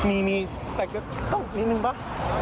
มีแต่ก็ตกนิดนึงเหรอ